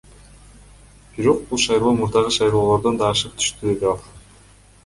Бирок бул шайлоо мурдагы шайлоолордон да ашып түштү, — деди ал.